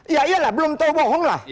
ya iyalah belum tahu bohong lah